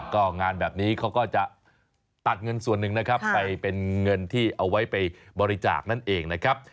ก็งานแบบนี้เขาก็จะตัดเงินส่วนนึงไปเป็นเงินที่เอาไว้ไปบริจาคนั่นเอง